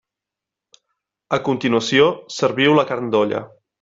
A continuació serviu la carn d'olla.